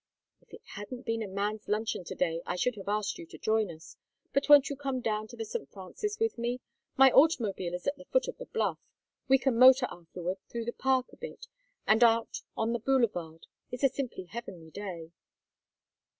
"If it hadn't been a man's luncheon to day I should have asked you to join us. But won't you come down to The St. Francis with me? My automobile is at the foot of the bluff. We can motor afterward through the park a bit, and out on the boulevard. It is a simply heavenly day."